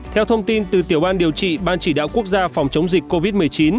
theo thông tin từ tiểu ban điều trị ban chỉ đạo quốc gia phòng chống dịch covid một mươi chín